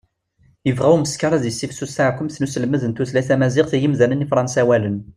yebɣa umeskar ad yessifsus taɛekkumt n uselmed n tutlayt tamaziɣt i yimdanen ifransawalen